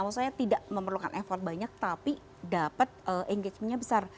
maksudnya tidak memerlukan effort banyak tapi dapat engagementnya besar